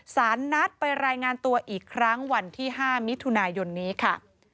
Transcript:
สารนัดไปรายงานตัวอีกครั้งวันที่๕มิถุนายนนี้ค่ะ